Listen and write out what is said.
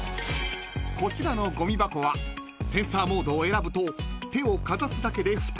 ［こちらのごみ箱はセンサーモードを選ぶと手をかざすだけでふたが開閉］